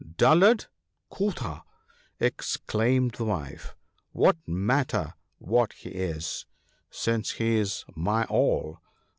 " Dullard, quotha !" exclaimed the wife. " What matter what he is, since he is my all?